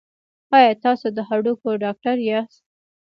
ایا تاسو د هډوکو ډاکټر یاست؟